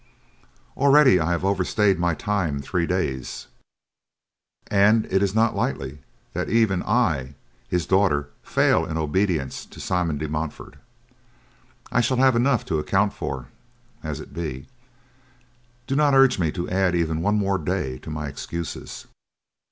"Already have I overstayed my time three days, and it is not lightly that even I, his daughter, fail in obedience to Simon de Montfort. I shall have enough to account for as it be. Do not urge me to add even one more day to my excuses.